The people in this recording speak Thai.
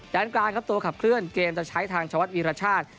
ด้านกลางครับตัวขับเคลื่อนเกมจะใช้ทางชวัดวีรชาติ